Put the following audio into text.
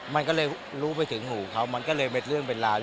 มันก็เลยรู้ไปถึงหูเขามันก็เลยเป็นเรื่องเป็นราว